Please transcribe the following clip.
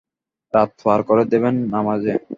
রাত পার করে দেবেন নামাজে।